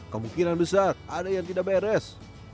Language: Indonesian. kemungkinan besar ada yang tidak beres